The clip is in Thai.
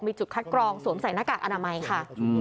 มีจุดคัดกรองสวมใส่หน้ากากอนามัยค่ะ